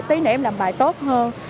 tí nữa em làm bài tốt hơn